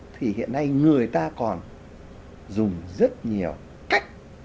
thì hiện nay người ta còn dùng rất nhiều cách